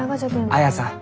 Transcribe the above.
綾さん。